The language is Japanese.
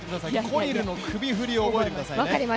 コリルの首振りを覚えてくださいね。